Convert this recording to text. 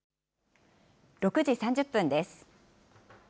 ６時３０分です。